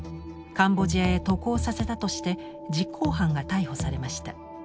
カンボジアへ渡航させたとして実行犯が逮捕されました。